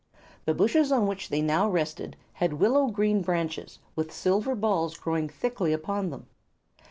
The bushes on which they now rested had willow green branches with silver balls growing thickly upon them.